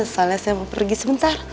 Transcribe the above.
soalnya saya mau pergi sebentar